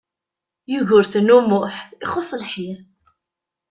Yugurten U Muḥ ixuṣ lḥir.